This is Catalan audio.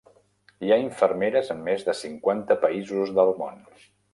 Hi ha infermeres en més de cinquanta països del món.